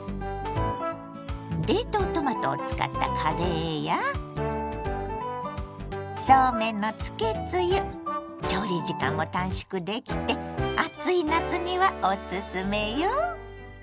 冷凍トマトを使ったカレーやそうめんのつけつゆ調理時間も短縮できて暑い夏にはおすすめよ。